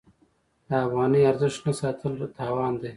د افغانۍ ارزښت نه ساتل تاوان دی.